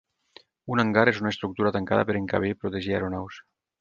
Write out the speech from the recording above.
Un hangar és una estructura tancada per encabir, protegir aeronaus.